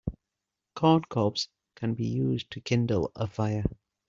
Corn cobs can be used to kindle a fire.